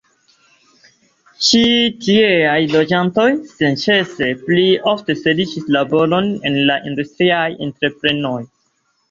Ĉi tieaj loĝantoj senĉese pli ofte serĉis laboron en la industriaj entreprenoj.